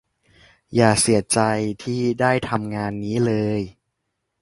อย่าเสียใจที่ได้ทำงานนี้เลย